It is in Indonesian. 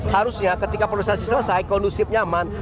harusnya ketika proses selesai kondusif nyaman